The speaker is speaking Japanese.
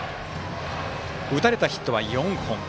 打たれたヒットは４本。